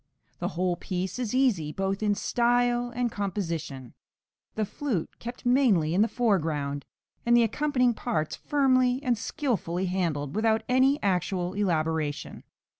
The whole piece is easy, both in style and composition, the flute kept mainly in the foreground, and the accompanying parts firmly and skilfully handled, without any actual elaboration.